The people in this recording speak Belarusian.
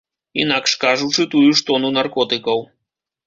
Інакш кажучы, тую ж тону наркотыкаў.